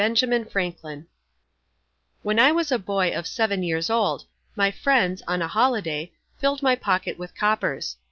WOLFE THE WHISTLE When I was a boy of seven years old, my friends, on a holiday, filled my pocket with coppers.